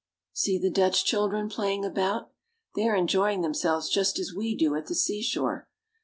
See the Dutch children playing about ! They are en joying themselves just as we do at the seashore.